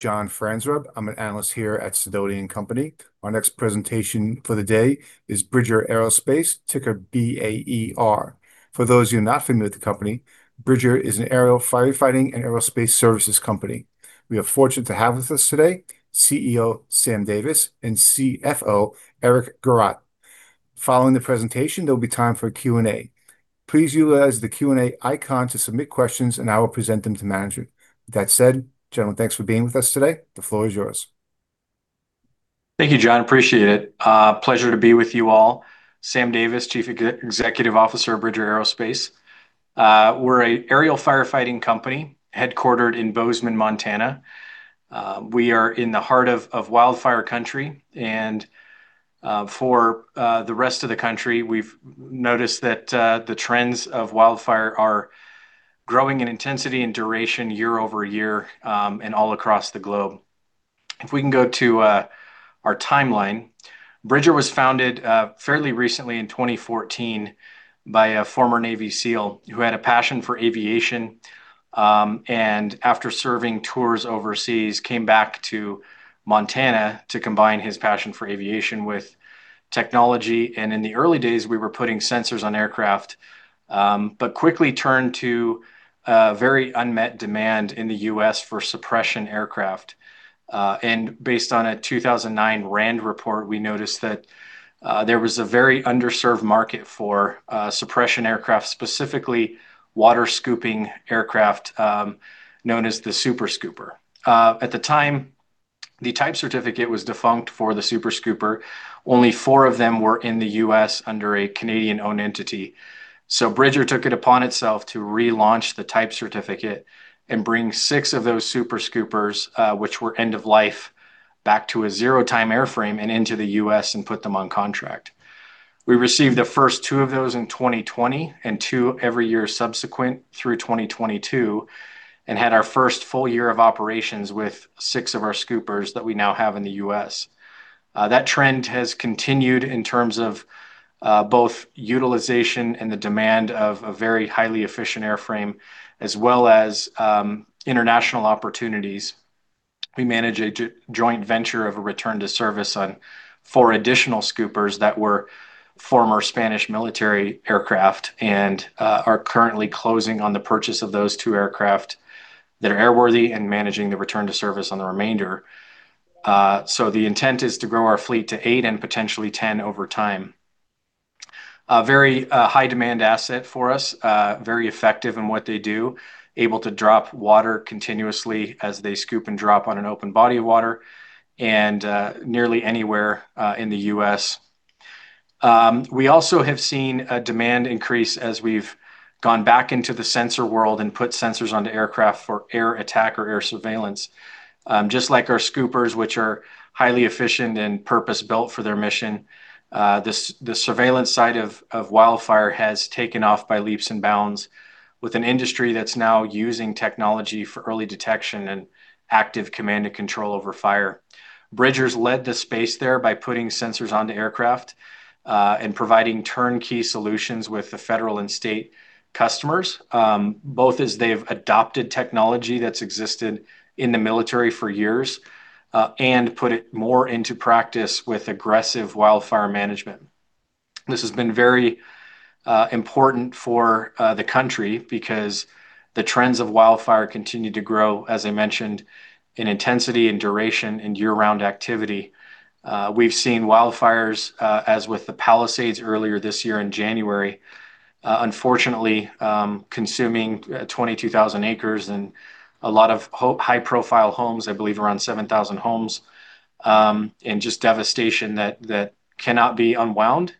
John Franzreb. I'm an analyst here at Sidoti & Company. Our next presentation for the day is Bridger Aerospace, ticker B-A-E-R. For those of you not familiar with the company, Bridger is an aerial firefighting and aerospace services company. We are fortunate to have with us today CEO Sam Davis and CFO Eric Gerratt. Following the presentation, there will be time for Q&A. Please utilize the Q&A icon to submit questions, and I will present them to management. That said, gentlemen, thanks for being with us today. The floor is yours. Thank you, John. Appreciate it. Pleasure to be with you all. Sam Davis, Chief Executive Officer at Bridger Aerospace. We're an aerial firefighting company headquartered in Bozeman, Montana. We are in the heart of wildfire country, and for the rest of the country, we've noticed that the trends of wildfire are growing in intensity and duration year-over-year and all across the globe. If we can go to our timeline, Bridger was founded fairly recently in 2014 by a former Navy SEAL who had a passion for aviation, and after serving tours overseas, he came back to Montana to combine his passion for aviation with technology, and in the early days, we were putting sensors on aircraft, but quickly turned to very unmet demand in the U.S. for suppression aircraft. Based on a 2009 RAND report, we noticed that there was a very underserved market for suppression aircraft, specifically water scooping aircraft known as the Super Scooper. At the time, the type certificate was defunct for the Super Scooper. Only four of them were in the U.S. under a Canadian-owned entity. Bridger took it upon itself to relaunch the type certificate and bring six of those Super Scoopers, which were end-of-life, back to a zero-time airframe and into the U.S. and put them on contract. We received the first two of those in 2020 and two every year subsequent through 2022, and had our first full year of operations with six of our Scoopers that we now have in the U.S. That trend has continued in terms of both utilization and the demand of a very highly efficient airframe, as well as international opportunities. We manage a joint venture of a return to service on four additional Scoopers that were former Spanish military aircraft and are currently closing on the purchase of those two aircraft that are airworthy and managing the return to service on the remainder. So the intent is to grow our fleet to eight and potentially 10 over time. A very high-demand asset for us, very effective in what they do, able to drop water continuously as they scoop and drop on an open body of water and nearly anywhere in the U.S. We also have seen a demand increase as we've gone back into the sensor world and put sensors onto aircraft for air attack or air surveillance. Just like our Scoopers, which are highly efficient and purpose-built for their mission, the surveillance side of wildfire has taken off by leaps and bounds with an industry that's now using technology for early detection and active command and control over fire. Bridger's led the space there by putting sensors onto aircraft and providing turnkey solutions with the federal and state customers, both as they've adopted technology that's existed in the military for years and put it more into practice with aggressive wildfire management. This has been very important for the country because the trends of wildfire continue to grow, as I mentioned, in intensity and duration and year-round activity. We've seen wildfires, as with the Palisades Fire earlier this year in January, unfortunately consuming 22,000 acres and a lot of high-profile homes, I believe around 7,000 homes, and just devastation that cannot be unwound.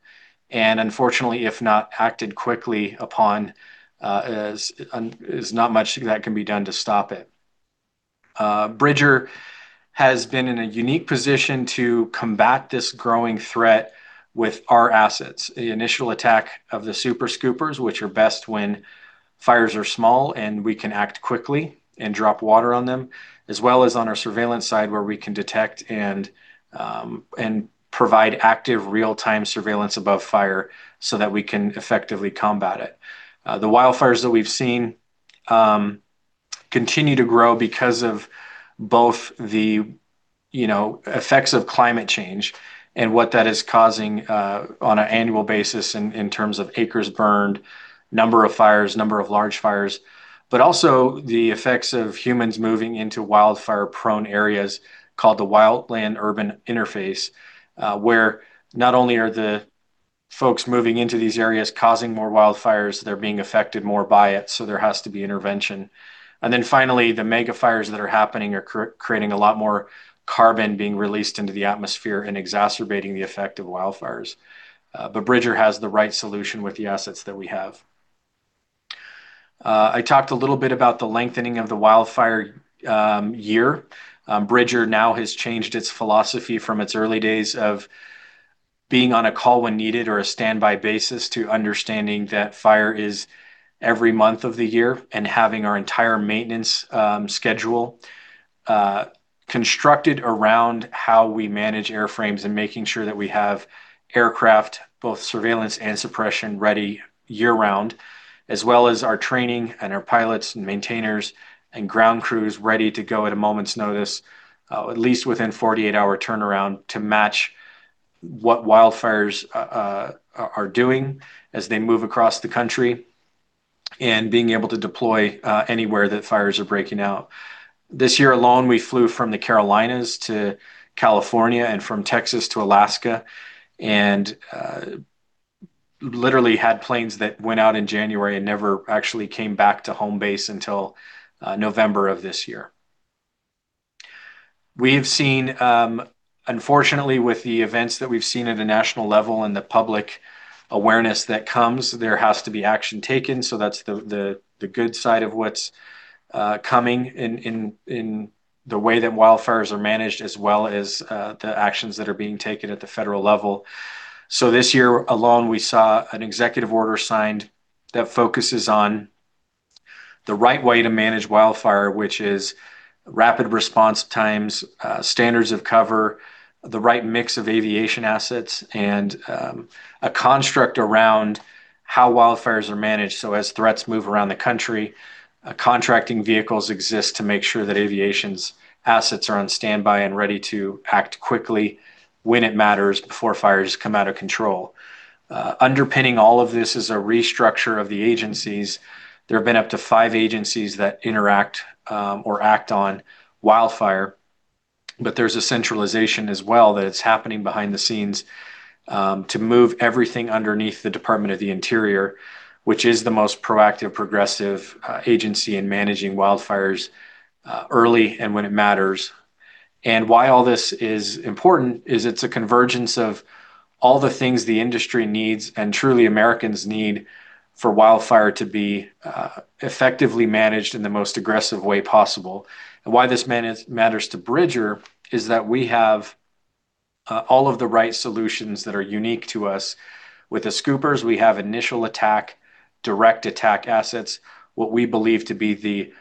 And unfortunately, if not acted quickly upon, there's not much that can be done to stop it. Bridger has been in a unique position to combat this growing threat with our assets. The initial attack of the Super Scoopers, which are best when fires are small and we can act quickly and drop water on them, as well as on our surveillance side where we can detect and provide active real-time surveillance above fire so that we can effectively combat it. The wildfires that we've seen continue to grow because of both the effects of climate change and what that is causing on an annual basis in terms of acres burned, number of fires, number of large fires, but also the effects of humans moving into wildfire-prone areas called the wildland-urban interface, where not only are the folks moving into these areas causing more wildfires, they're being affected more by it, so there has to be intervention. And then finally, the mega fires that are happening are creating a lot more carbon being released into the atmosphere and exacerbating the effect of wildfires. But Bridger has the right solution with the assets that we have. I talked a little bit about the lengthening of the wildfire year. Bridger now has changed its philosophy from its early days of being on a call when needed or a standby basis to understanding that fire is every month of the year and having our entire maintenance schedule constructed around how we manage airframes and making sure that we have aircraft, both surveillance and suppression, ready year-round, as well as our training and our pilots and maintainers and ground crews ready to go at a moment's notice, at least within 48-hour turnaround to match what wildfires are doing as they move across the country and being able to deploy anywhere that fires are breaking out. This year alone, we flew from the Carolinas to California and from Texas to Alaska and literally had planes that went out in January and never actually came back to home base until November of this year. We have seen, unfortunately, with the events that we've seen at a national level and the public awareness that comes, there has to be action taken. So that's the good side of what's coming in the way that wildfires are managed, as well as the actions that are being taken at the federal level. So this year alone, we saw an executive order signed that focuses on the right way to manage wildfire, which is rapid response times, standards of cover, the right mix of aviation assets, and a construct around how wildfires are managed. So as threats move around the country, contracting vehicles exist to make sure that aviation's assets are on standby and ready to act quickly when it matters before fires come out of control. Underpinning all of this is a restructure of the agencies. There have been up to five agencies that interact or act on wildfire, but there's a centralization as well that is happening behind the scenes to move everything underneath the Department of the Interior, which is the most proactive, progressive agency in managing wildfires early and when it matters. And why all this is important is it's a convergence of all the things the industry needs and truly Americans need for wildfire to be effectively managed in the most aggressive way possible. And why this matters to Bridger is that we have all of the right solutions that are unique to us. With the Scoopers, we have initial attack, direct attack assets, what we believe to be the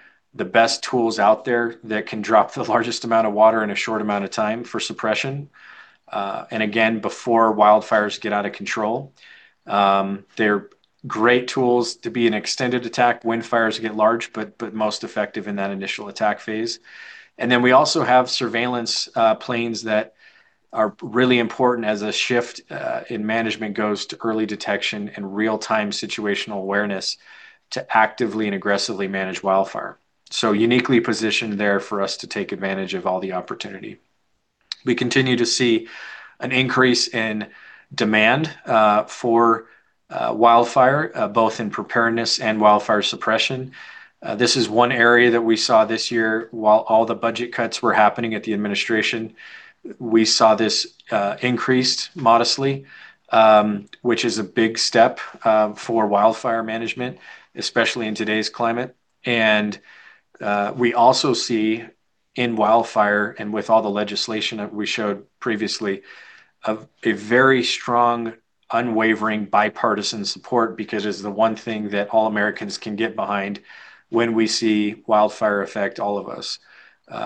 best tools out there that can drop the largest amount of water in a short amount of time for suppression. And again, before wildfires get out of control, they're great tools to be an extended attack when fires get large, but most effective in that initial attack phase. And then we also have surveillance planes that are really important as a shift in management goes to early detection and real-time situational awareness to actively and aggressively manage wildfire. So uniquely positioned there for us to take advantage of all the opportunity. We continue to see an increase in demand for wildfire, both in preparedness and wildfire suppression. This is one area that we saw this year while all the budget cuts were happening at the administration. We saw this increased modestly, which is a big step for wildfire management, especially in today's climate. And we also see, in wildfire and with all the legislation that we showed previously, a very strong, unwavering bipartisan support because it's the one thing that all Americans can get behind when we see wildfire affect all of us.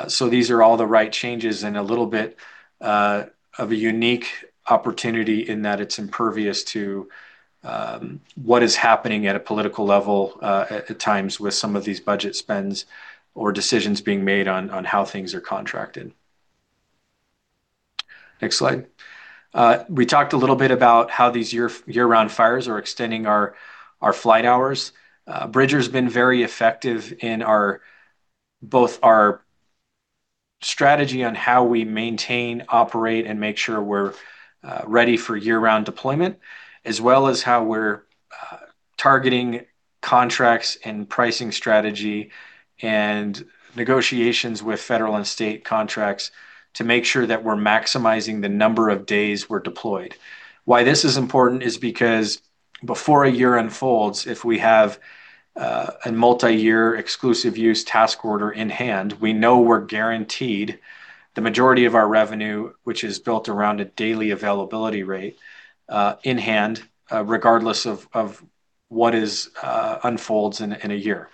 So these are all the right changes and a little bit of a unique opportunity in that it's impervious to what is happening at a political level at times with some of these budget spends or decisions being made on how things are contracted. Next slide. We talked a little bit about how these year-round fires are extending our flight hours. Bridger's been very effective in both our strategy on how we maintain, operate, and make sure we're ready for year-round deployment, as well as how we're targeting contracts and pricing strategy and negotiations with federal and state contracts to make sure that we're maximizing the number of days we're deployed. Why this is important is because before a year unfolds, if we have a multi-year exclusive use task order in hand, we know we're guaranteed the majority of our revenue, which is built around a daily availability rate, in hand regardless of what unfolds in a year.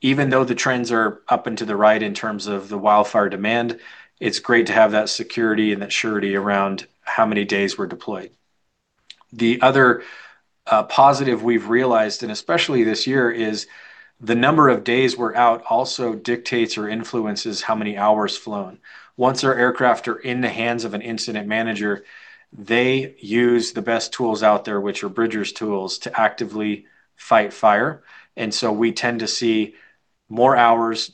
Even though the trends are up and to the right in terms of the wildfire demand, it's great to have that security and that surety around how many days we're deployed. The other positive we've realized, and especially this year, is the number of days we're out also dictates or influences how many hours flown. Once our aircraft are in the hands of an incident manager, they use the best tools out there, which are Bridger's tools, to actively fight fire, and so we tend to see more hours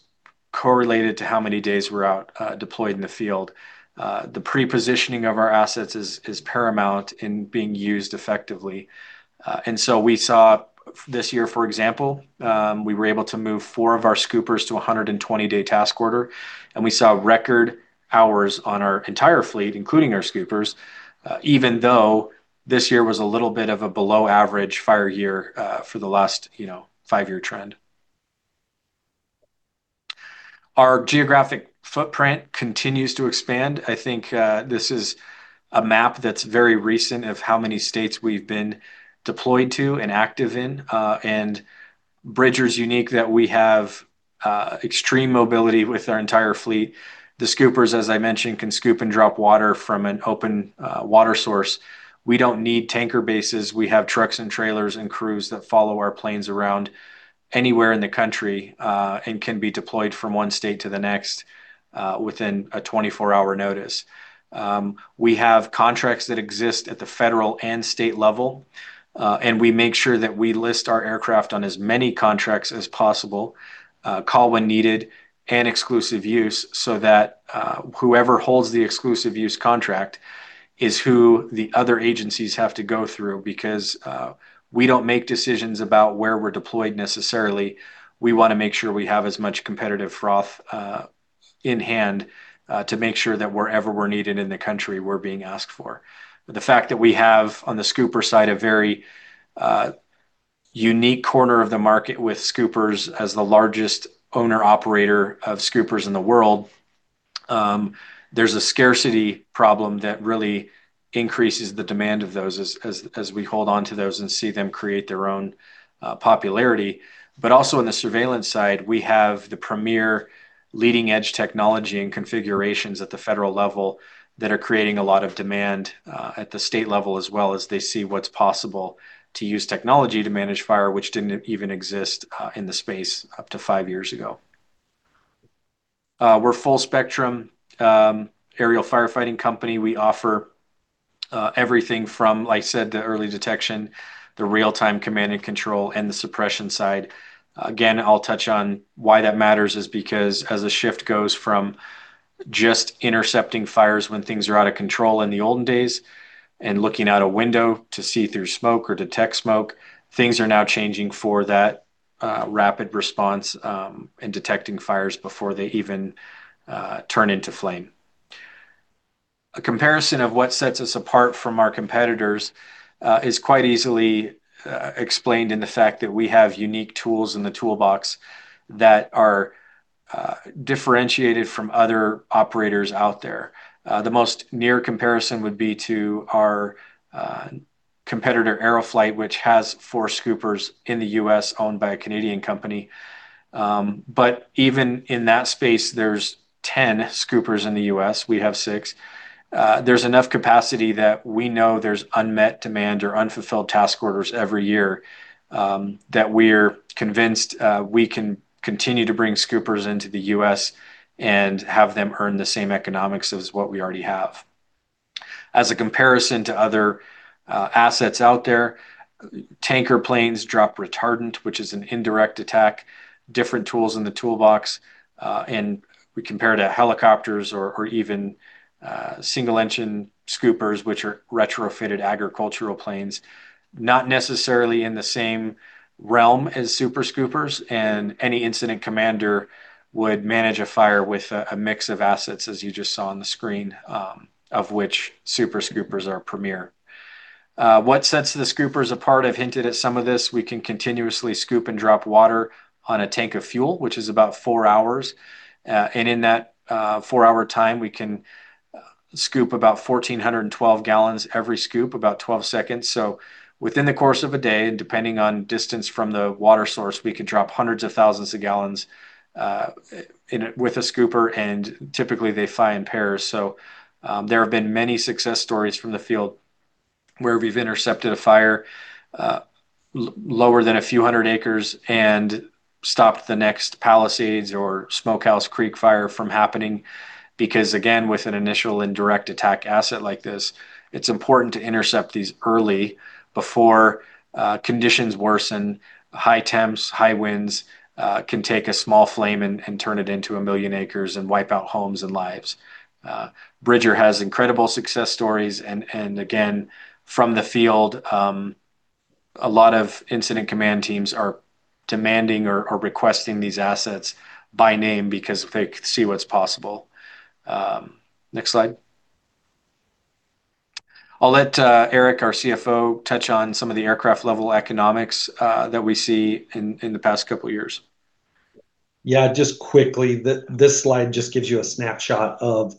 correlated to how many days we're out deployed in the field. The pre-positioning of our assets is paramount in being used effectively, and so we saw this year, for example, we were able to move four of our Scoopers to a 120-day task order, and we saw record hours on our entire fleet, including our Scoopers, even though this year was a little bit of a below-average fire year for the last five-year trend. Our geographic footprint continues to expand. I think this is a map that's very recent of how many states we've been deployed to and active in, and Bridger's unique that we have extreme mobility with our entire fleet. The Scoopers, as I mentioned, can scoop and drop water from an open water source. We don't need tanker bases. We have trucks and trailers and crews that follow our planes around anywhere in the country and can be deployed from one state to the next within a 24-hour notice. We have contracts that exist at the federal and state level, and we make sure that we list our aircraft on as many contracts as possible, call when needed, and exclusive use so that whoever holds the exclusive use contract is who the other agencies have to go through because we don't make decisions about where we're deployed necessarily. We want to make sure we have as much competitive froth in hand to make sure that wherever we're needed in the country, we're being asked for. The fact that we have on the Scooper side a very unique corner of the market with Scoopers as the largest owner-operator of Scoopers in the world, there's a scarcity problem that really increases the demand of those as we hold on to those and see them create their own popularity. But also on the surveillance side, we have the premier leading-edge technology and configurations at the federal level that are creating a lot of demand at the state level as well as they see what's possible to use technology to manage fire, which didn't even exist in the space up to five years ago. We're a full-spectrum aerial firefighting company. We offer everything from, like I said, the early detection, the real-time command and control, and the suppression side. Again, I'll touch on why that matters is because as a shift goes from just intercepting fires when things are out of control in the olden days and looking out a window to see through smoke or detect smoke, things are now changing for that rapid response and detecting fires before they even turn into flame. A comparison of what sets us apart from our competitors is quite easily explained in the fact that we have unique tools in the toolbox that are differentiated from other operators out there. The most near comparison would be to our competitor, Aero-Flite, which has four Scoopers in the U.S. owned by a Canadian company. But even in that space, there's 10 Scoopers in the U.S. We have six. There's enough capacity that we know there's unmet demand or unfulfilled task orders every year that we're convinced we can continue to bring Scoopers into the U.S. and have them earn the same economics as what we already have. As a comparison to other assets out there, tanker planes drop retardant, which is an indirect attack, different tools in the toolbox, and we compare to helicopters or even single-engine Scoopers, which are retrofitted agricultural planes, not necessarily in the same realm as Super Scoopers, and any incident commander would manage a fire with a mix of assets, as you just saw on the screen, of which Super Scoopers are a premier. What sets the Scoopers apart? I've hinted at some of this. We can continuously scoop and drop water on a tank of fuel, which is about four hours. And in that four-hour time, we can scoop about 1,412 gal every scoop, about 12 seconds. So within the course of a day, and depending on distance from the water source, we can drop hundreds of thousands of gal with a Scooper, and typically they fly in pairs. So there have been many success stories from the field where we've intercepted a fire lower than a few hundred acres and stopped the next Palisades Fire or Smokehouse Creek Fire from happening. Because again, with an initial indirect attack asset like this, it's important to intercept these early before conditions worsen. High temps, high winds can take a small flame and turn it into a million acres and wipe out homes and lives. Bridger has incredible success stories. And again, from the field, a lot of incident command teams are demanding or requesting these assets by name because they see what's possible. Next slide. I'll let Eric, our CFO, touch on some of the aircraft-level economics that we see in the past couple of years. Yeah, just quickly, this slide just gives you a snapshot of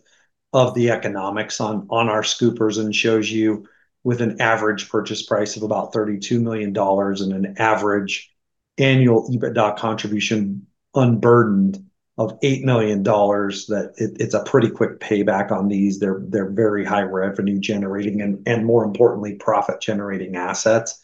the economics on our Scoopers and shows you with an average purchase price of about $32 million and an average annual EBITDA contribution unburdened of $8 million, that it's a pretty quick payback on these. They're very high-revenue generating and, more importantly, profit-generating assets,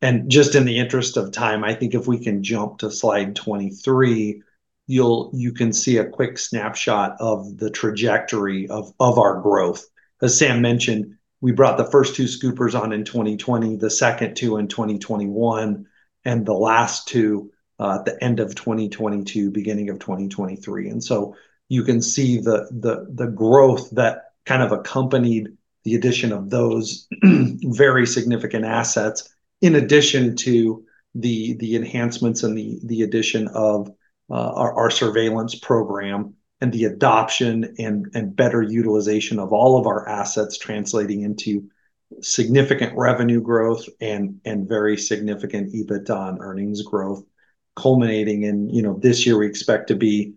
and just in the interest of time, I think if we can jump to slide 23, you can see a quick snapshot of the trajectory of our growth. As Sam mentioned, we brought the first two Scoopers on in 2020, the second two in 2021, and the last two at the end of 2022, beginning of 2023. And so you can see the growth that kind of accompanied the addition of those very significant assets, in addition to the enhancements and the addition of our surveillance program and the adoption and better utilization of all of our assets, translating into significant revenue growth and very significant EBITDA and earnings growth, culminating in this year. We expect to be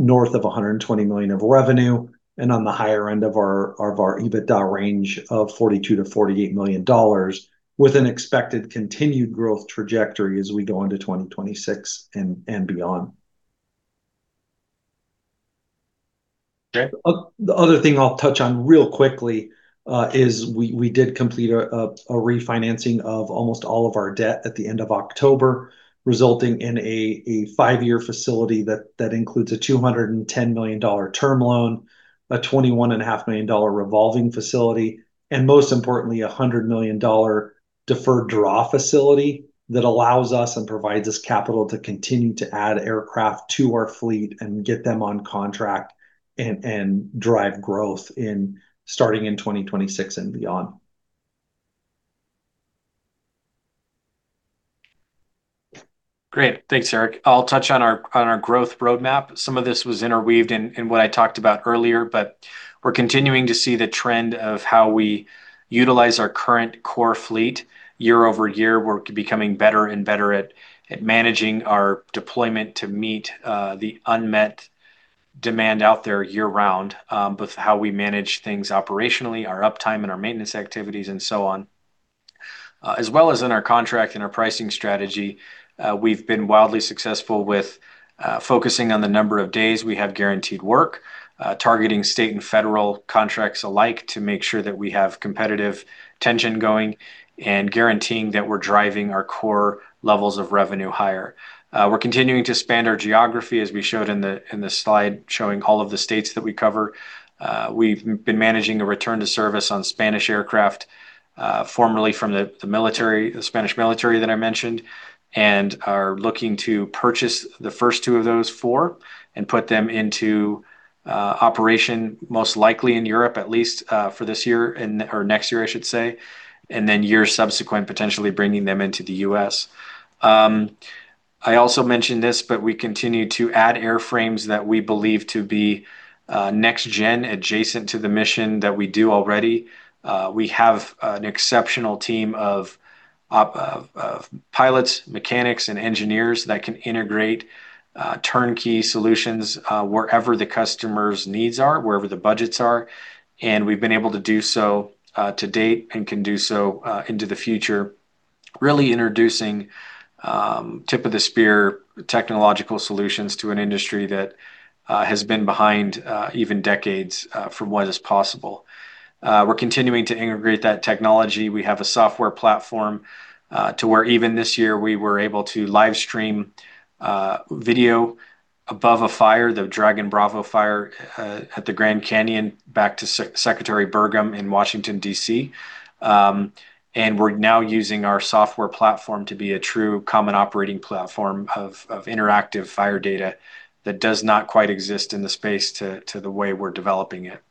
north of $120 million of revenue and on the higher end of our EBITDA range of $42-$48 million with an expected continued growth trajectory as we go into 2026 and beyond. The other thing I'll touch on real quickly is we did complete a refinancing of almost all of our debt at the end of October, resulting in a five-year facility that includes a $210 million term loan, a $21.5 million revolving facility, and most importantly, a $100 million deferred draw facility that allows us and provides us capital to continue to add aircraft to our fleet and get them on contract and drive growth starting in 2026 and beyond. Great. Thanks, Eric. I'll touch on our growth roadmap. Some of this was interweaved in what I talked about earlier, but we're continuing to see the trend of how we utilize our current core fleet year-over-year. We're becoming better and better at managing our deployment to meet the unmet demand out there year-round, both how we manage things operationally, our uptime, and our maintenance activities, and so on. As well as in our contract and our pricing strategy, we've been wildly successful with focusing on the number of days we have guaranteed work, targeting state and federal contracts alike to make sure that we have competitive tension going and guaranteeing that we're driving our core levels of revenue higher. We're continuing to expand our geography, as we showed in the slide showing all of the states that we cover. We've been managing a return to service on Spanish aircraft, formerly from the Spanish military that I mentioned, and are looking to purchase the first two of those four and put them into operation, most likely in Europe at least for this year or next year, I should say, and then years subsequent potentially bringing them into the U.S. I also mentioned this, but we continue to add airframes that we believe to be next-gen adjacent to the mission that we do already. We have an exceptional team of pilots, mechanics, and engineers that can integrate turnkey solutions wherever the customer's needs are, wherever the budgets are, and we've been able to do so to date and can do so into the future, really introducing tip-of-the-spear technological solutions to an industry that has been behind even decades from what is possible. We're continuing to integrate that technology. We have a software platform to where even this year we were able to live stream video above a fire, the Dragon Bravo Fire at the Grand Canyon back to Secretary Burgum in Washington, D.C. And we're now using our software platform to be a true common operating platform of interactive fire data that does not quite exist in the space to the way we're developing it.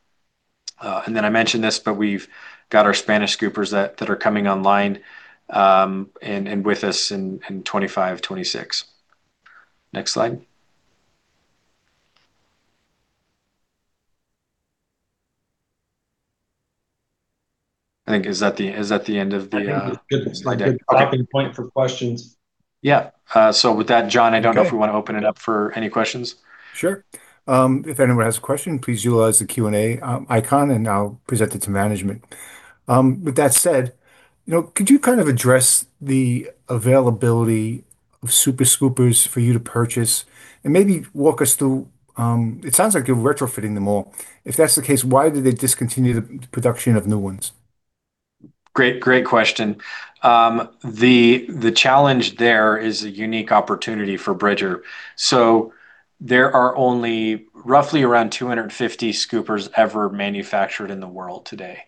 And then I mentioned this, but we've got our Spanish Scoopers that are coming online and with us in 2025, 2026. Next slide. I think, is that the end of the topic and point for questions? Yeah. So with that, John, I don't know if we want to open it up for any questions. Sure. If anyone has a question, please utilize the Q&A icon, and I'll present it to management. With that said, could you kind of address the availability of Super Scoopers for you to purchase and maybe walk us through? It sounds like you're retrofitting them all. If that's the case, why did they discontinue the production of new ones? Great question. The challenge there is a unique opportunity for Bridger. So there are only roughly around 250 Super Scoopers ever manufactured in the world today.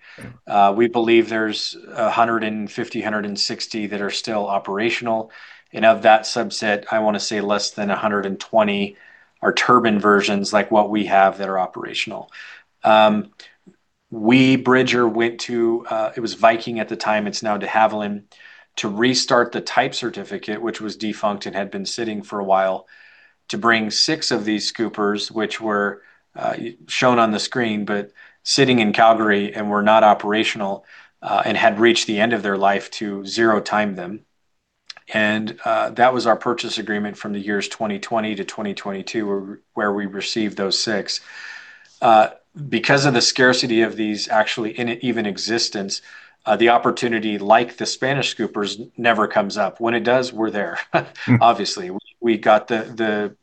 We believe there's 150-160 that are still operational. And of that subset, I want to say less than 120 are turbine versions like what we have that are operational. We, Bridger, went to it was Viking at the time, it's now De Havilland to restart the type certificate, which was defunct and had been sitting for a while, to bring six of these Super Scoopers, which were shown on the screen but sitting in Calgary and were not operational and had reached the end of their life to zero-time them. And that was our purchase agreement from the years 2020 to 2022 where we received those six. Because of the scarcity of these actually in even existence, the opportunity like the Spanish Super Scoopers never comes up. When it does, we're there, obviously. We got the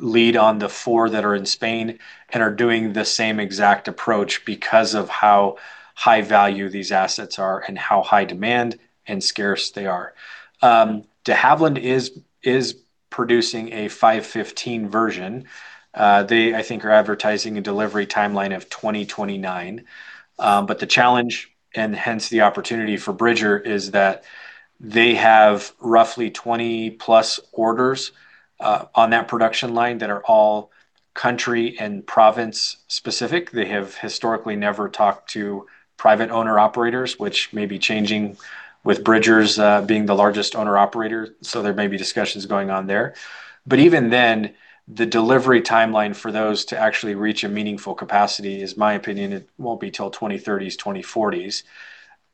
lead on the four that are in Spain and are doing the same exact approach because of how high value these assets are and how high demand and scarce they are. De Havilland is producing a 515 version. They, I think, are advertising a delivery timeline of 2029, but the challenge, and hence the opportunity for Bridger, is that they have roughly 20-plus orders on that production line that are all country and province specific. They have historically never talked to private owner-operators, which may be changing with Bridger's being the largest owner-operator, so there may be discussions going on there, but even then, the delivery timeline for those to actually reach a meaningful capacity is, my opinion, it won't be till 2030s, 2040s.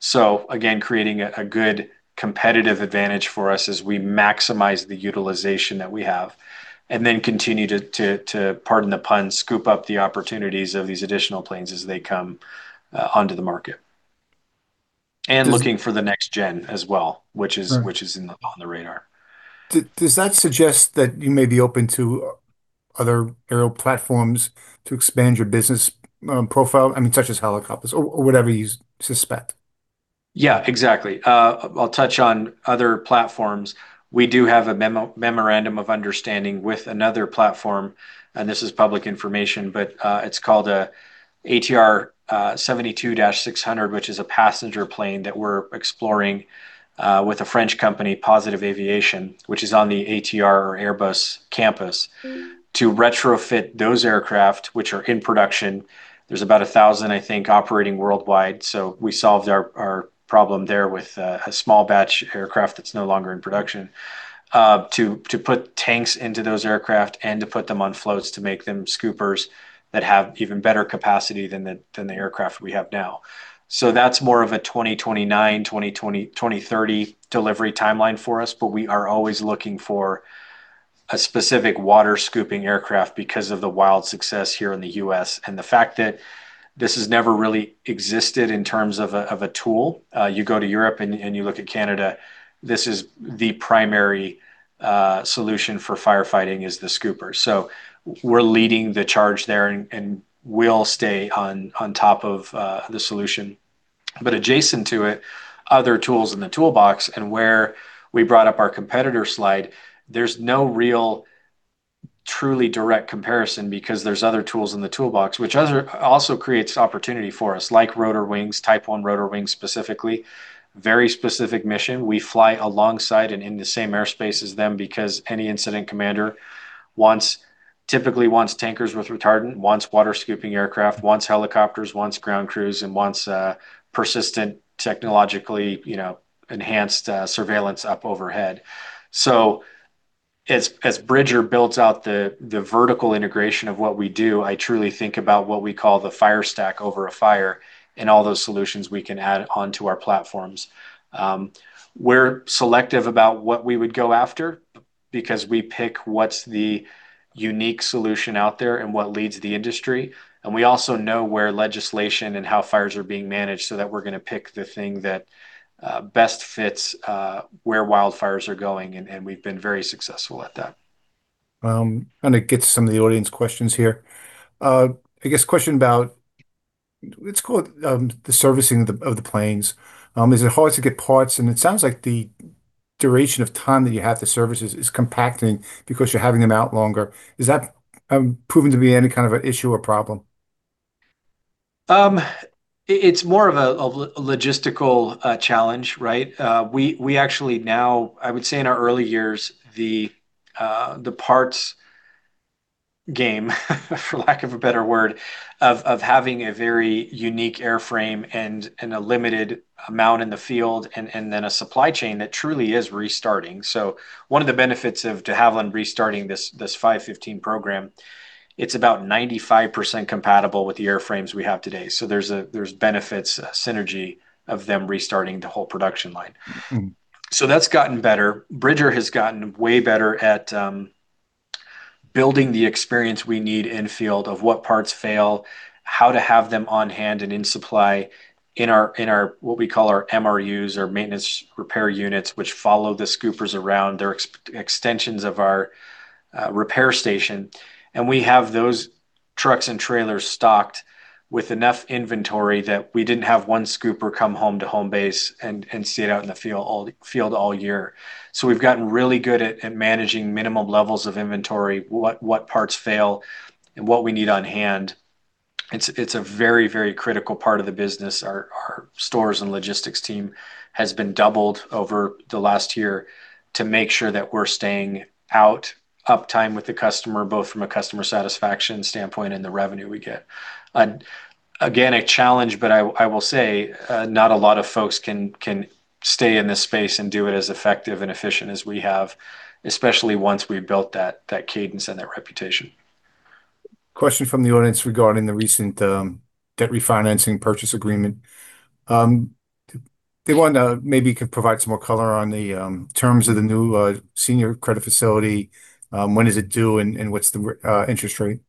So again, creating a good competitive advantage for us as we maximize the utilization that we have and then continue to, pardon the pun, scoop up the opportunities of these additional planes as they come onto the market, and looking for the next-gen as well, which is on the radar. Does that suggest that you may be open to other aerial platforms to expand your business profile? I mean, such as helicopters or whatever you suspect. Yeah, exactly. I'll touch on other platforms. We do have a memorandum of understanding with another platform, and this is public information, but it's called ATR 72-600, which is a passenger plane that we're exploring with a French company, Positive Aviation, which is on the ATR or Airbus campus to retrofit those aircraft, which are in production. There's about 1,000, I think, operating worldwide. So we solved our problem there with a small batch aircraft that's no longer in production to put tanks into those aircraft and to put them on floats to make them Scoopers that have even better capacity than the aircraft we have now. So that's more of a 2029, 2030 delivery timeline for us, but we are always looking for a specific water-scooping aircraft because of the wild success here in the U.S. and the fact that this has never really existed in terms of a tool. You go to Europe and you look at Canada, this is the primary solution for firefighting is the Super Scooper. So we're leading the charge there and we'll stay on top of the solution. But adjacent to it, other tools in the toolbox. And where we brought up our competitor slide, there's no real truly direct comparison because there's other tools in the toolbox, which also creates opportunity for us, like rotor wings, type one rotor wings specifically, very specific mission. We fly alongside and in the same airspace as them because any incident commander typically wants tankers with retardant, wants water scooping aircraft, wants helicopters, wants ground crews, and wants persistent technologically enhanced surveillance up overhead. So as Bridger builds out the vertical integration of what we do, I truly think about what we call the fire stack over a fire and all those solutions we can add onto our platforms. We're selective about what we would go after because we pick what's the unique solution out there and what leads the industry. We also know where legislation and how fires are being managed so that we're going to pick the thing that best fits where wildfires are going. We've been very successful at that. I'm going to get to some of the audience questions here. I guess question about, let's call it the servicing of the planes. Is it hard to get parts? It sounds like the duration of time that you have to service is compacting because you're having them out longer. Is that proven to be any kind of an issue or problem? It's more of a logistical challenge, right? We actually now, I would say in our early years, the parts game, for lack of a better word, of having a very unique airframe and a limited amount in the field and then a supply chain that truly is restarting. So one of the benefits of De Havilland restarting this 515 program, it's about 95% compatible with the airframes we have today. So there's benefits, synergy of them restarting the whole production line. So that's gotten better. Bridger has gotten way better at building the experience we need in field of what parts fail, how to have them on hand and in supply in our what we call our MRUs or maintenance repair units, which follow the Scoopers around. They're extensions of our repair station. And we have those trucks and trailers stocked with enough inventory that we didn't have one Scooper come home to home base and sit out in the field all year. So we've gotten really good at managing minimum levels of inventory, what parts fail, and what we need on hand. It's a very, very critical part of the business are our stores and logistics team has been doubled over the last year to make sure that we're staying out uptime with the customer, both from a customer satisfaction standpoint and the revenue we get. Again, a challenge, but I will say not a lot of folks can stay in this space and do it as effective and efficient as we have, especially once we've built that cadence and that reputation. Question from the audience regarding the recent debt refinancing purchase agreement. They want to maybe provide some more color on the terms of the new senior credit facility. When is it due and what's the interest rate?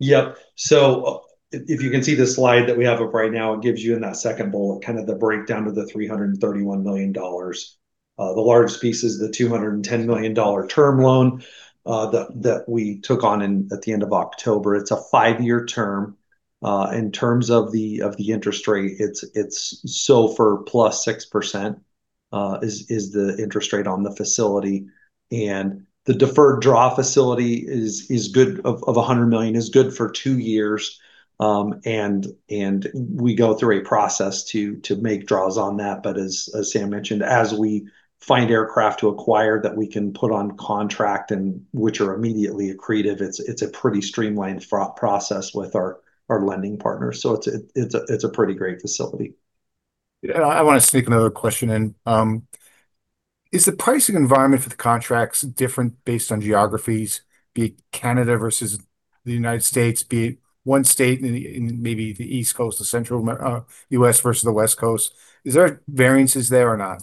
Yep. So if you can see the slide that we have right now, it gives you in that second bullet kind of the breakdown of the $331 million. The large piece is the $210 million term loan that we took on at the end of October. It's a five-year term. In terms of the interest rate, it's SOFR plus 6% is the interest rate on the facility. And the deferred draw facility is $100 million is good for two years. And we go through a process to make draws on that. But as Sam mentioned, as we find aircraft to acquire that we can put on contract and which are immediately accretive, it's a pretty streamlined process with our lending partners. So it's a pretty great facility. I want to sneak another question in. Is the pricing environment for the contracts different based on geographies, be it Canada versus the United States, be it one state in maybe the East Coast, the Central U.S. versus the West Coast? Is there variances there or not?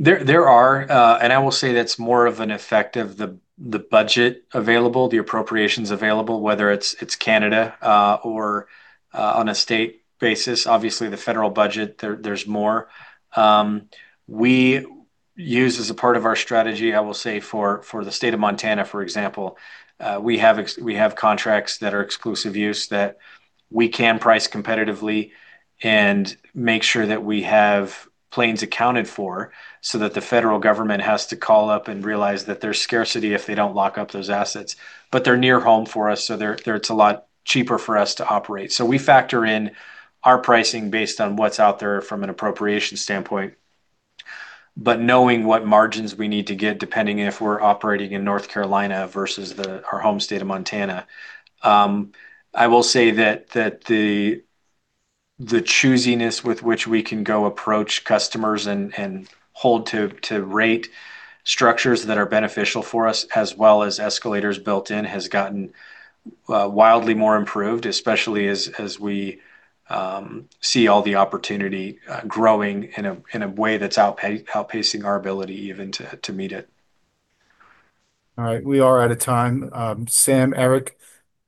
There are and I will say that's more of an effect of the budget available, the appropriations available, whether it's Canada or on a state basis. Obviously, the federal budget, there's more. We use as a part of our strategy, I will say, for the state of Montana, for example, we have contracts that are exclusive use that we can price competitively and make sure that we have planes accounted for so that the federal government has to call up and realize that there's scarcity if they don't lock up those assets. But they're near home for us, so it's a lot cheaper for us to operate. So we factor in our pricing based on what's out there from an appropriation standpoint, but knowing what margins we need to get depending if we're operating in North Carolina versus our home state of Montana. I will say that the choosiness with which we can go approach customers and hold to rate structures that are beneficial for us as well as escalators built in has gotten wildly more improved, especially as we see all the opportunity growing in a way that's outpacing our ability even to meet it. All right. We are out of time. Sam, Eric,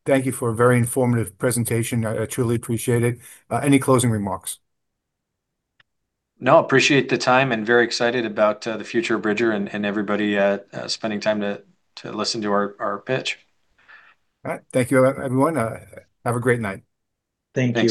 thank you for a very informative presentation. I truly appreciate it. Any closing remarks? No, appreciate the time and very excited about the future of Bridger and everybody spending time to listen to our pitch. All right. Thank you, everyone. Have a great night. Thank you.